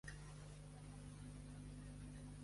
Troy Cephers va fer de conserge.